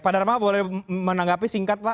pak dharma boleh menanggapi singkat pak